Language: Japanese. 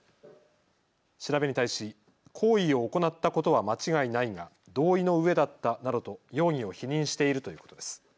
調べに対し行為を行ったことは間違いないが同意のうえだったなどと容疑を否認しているということです。